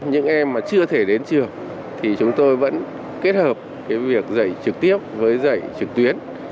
những em mà chưa thể đến trường thì chúng tôi vẫn kết hợp việc dạy trực tiếp với dạy trực tuyến